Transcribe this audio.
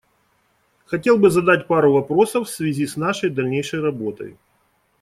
Хотел бы задать пару вопросов в связи с нашей дальнейшей работой.